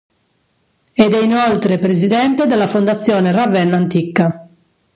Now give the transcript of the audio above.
Ed è inoltre presidente della Fondazione Ravenna Antica.